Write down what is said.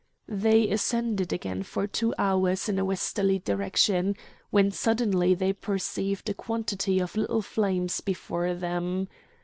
They ascended again for two hours in a westerly direction, when suddenly they perceived a quantity of little flames before them.